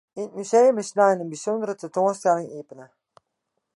Yn it museum is snein in bysûndere tentoanstelling iepene.